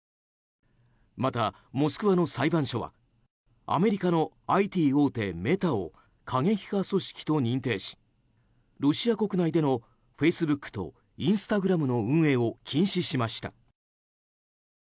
また、モスクワの裁判所はアメリカのＩＴ大手メタを過激派組織と認定しロシア国外でのフェイスブックとインスタグラムの運営を禁止しました。